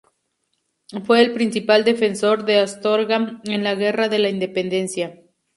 Fue el principal defensor de Astorga en la Guerra de la Independencia.